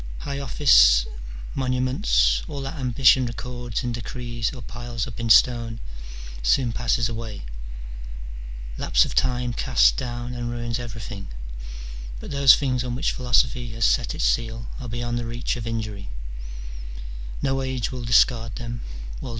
High office, monuments, all that ambition records in decrees or piles up in stone, soon passes away : lapse of time casts down and ruins everything ; but those things on which Philosophy has set its seal are beyond the reach of injury : no age will discard them or 312 MINOR DIALOGUES. [bK. X.